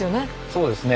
そうですね。